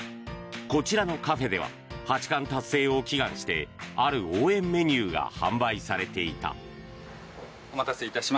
こちらのカフェでは八冠達成を祈願してある応援メニューが販売されていた。